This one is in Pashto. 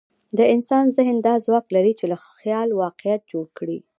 د انسان ذهن دا ځواک لري، چې له خیال واقعیت جوړ کړي.